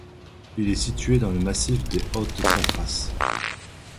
Il est situé dans le massif des Hautes Tatras.